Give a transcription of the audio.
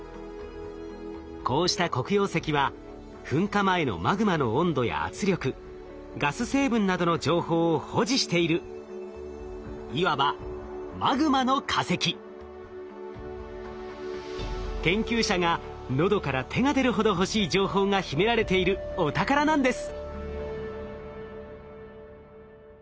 こうした黒曜石は噴火前のマグマの温度や圧力ガス成分などの情報を保持しているいわば研究者が喉から手が出るほど欲しい情報が秘められているお宝なんです。